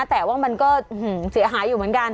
แต่ว่ามันก็เสียหายอยู่เหมือนกัน